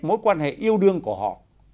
mối quan hệ yêu đương của họ